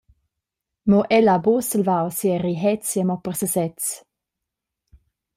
Mo el ha buca salvau sia rihezia mo per sesez.